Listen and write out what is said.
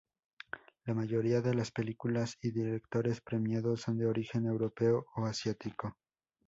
La mayoría de las películas y directores premiados son de origen europeo o asiático.